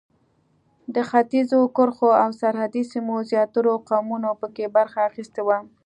د ختیځو کرښو او سرحدي سیمو زیاترو قومونو په کې برخه اخیستې وه.